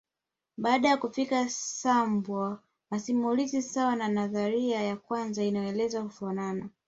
Baada ya kufika Sambwa masimulizi sawa na nadhari ya kwanza iliyoelezwa hufanana